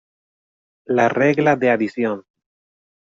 La regla de adición".